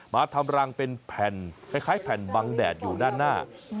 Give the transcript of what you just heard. ทำรังเป็นแผ่นคล้ายแผ่นบังแดดอยู่ด้านหน้า